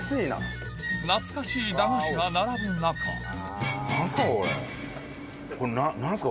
懐かしい駄菓子が並ぶ中これ何ですか？